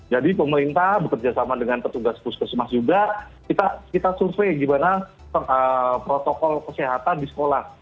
jadi pemerintah bekerjasama dengan petugas puskesmas juga kita survei gimana protokol kesehatan di sekolah